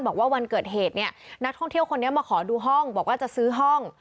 บอกว่าวันเกิดเหตุเนี่ยนักท่องเที่ยวคนนี้มาขอดูห้องบอกว่าจะซื้อห้อง